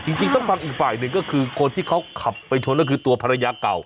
จริงต้องฟังอีกฝ่ายหนึ่งก็คือคนที่เขาขับไปชนก็คือตัวภรรยาเก่า